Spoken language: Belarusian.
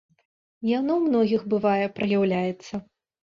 Яно ў многіх бывае, праяўляецца.